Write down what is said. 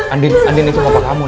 andin itu bapak kamu